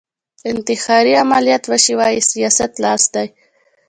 انتحاري عملیات وشي وايي سیاست لاس دی